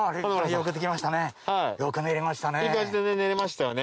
よく練れましたね。